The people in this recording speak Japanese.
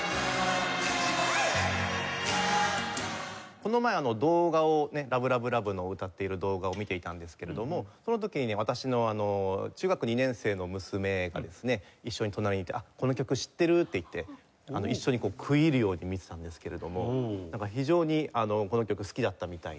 この前動画を『ＬＯＶＥＬＯＶＥＬＯＶＥ』の歌っている動画を見ていたんですけれどもその時に私の中学２年生の娘がですね一緒に隣にいて「この曲知ってる」って言って一緒に食い入るように見てたんですけれども非常にこの曲好きだったみたいで。